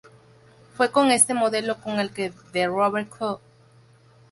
Fue con este modelo con el que The Rover Co.